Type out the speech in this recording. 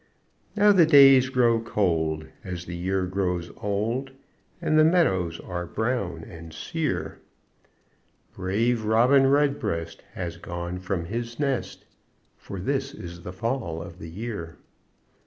Now the days grow cold, As the year grows old, And the meadows are brown and sere; Brave robin redbreast Has gone from his nest, For this is the Fall of the year.